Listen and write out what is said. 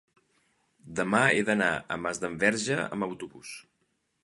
demà he d'anar a Masdenverge amb autobús.